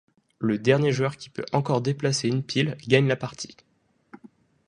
Le dernier joueur qui peut encore déplacer une pile gagne la partie.